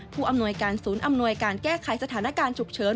ผู้อำนวยการศูนย์อำนวยการแก้ไขสถานการณ์ฉุกเฉิน